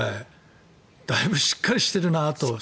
だいぶしっかりしてるなと。